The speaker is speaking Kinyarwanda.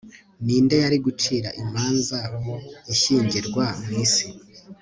Ninde yari gucira imanza ishyingirwa mwisi